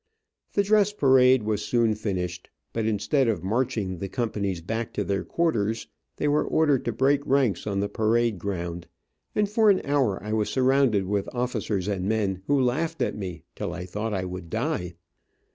The dress parade was soon finished, but instead of marching the companies back to their quarters, they were ordered to break ranks on the parade ground, and for an hour I was surrounded with officers and men, who laughed at me till I thought I would die.